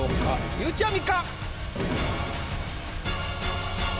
ゆうちゃみ！